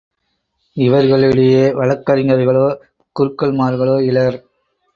இவர்களிடையே வழக்கறிஞர்களோ குருக்கள்மார்களோ இலர்.